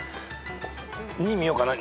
２見ようかな。